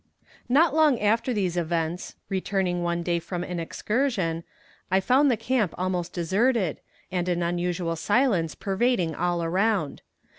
Not long after these events, returning one day from an excursion, I found the camp almost deserted, and an unusual silence pervading all around.